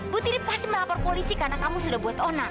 putri ini pasti melapor polisi karena kamu sudah buat onang